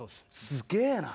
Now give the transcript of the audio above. すげぇな！